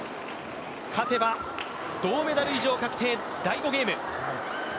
勝てば銅メダル以上確定、第５ゲーム。